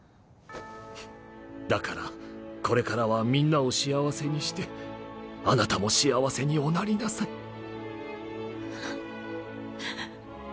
だからこれからはみんなを幸せにしてあなたも幸せにおなりなさい。